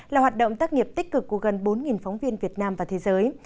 là hoạt động tác nghiệp tích cực của gần bốn phóng viên việt nam và thế giới